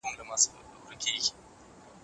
حکومتونه د خلګو آندونو ته په ټيټه سترګه نه ګوري.